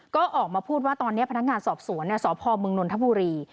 ก็ออกมาพูดว่าตอนนี้พนักงานสอบสวนสพมนนทบุรี